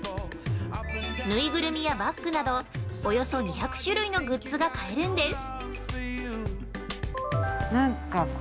縫いぐるみやバッグなどおよそ２００種類のグッズが買えるんです。